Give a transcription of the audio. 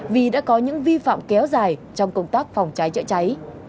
vì đã có những vi phạm kéo dài trong công tác phòng cháy